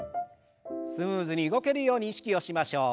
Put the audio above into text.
スムーズに動けるように意識をしましょう。